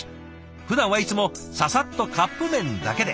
ふだんはいつもササッとカップ麺だけで。